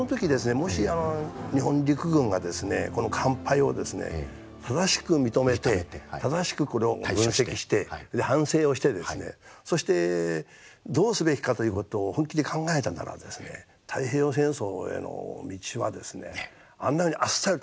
もし日本陸軍がこの完敗を正しく認めて正しくこれを分析して反省をしてそしてどうすべきかということを本気で考えたなら太平洋戦争への道はあんなにあっさりと。